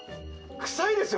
臭いですよ